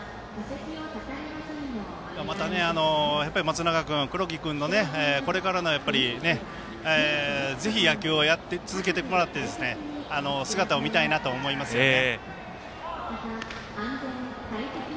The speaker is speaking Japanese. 松永君、黒木君、これからぜひ野球を続けてもらって姿を見たいなとは思いますね。